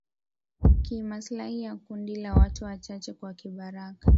kia maslahi ya kundi la watu wachache kwa kibaraka